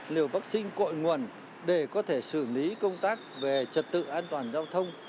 liều vaccine cội nguồn để có thể xử lý công tác về trật tự an toàn giao thông